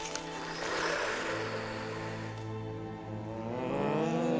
うん。